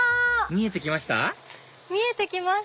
見えてきました！